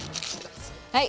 はい。